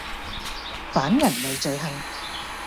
反人類罪行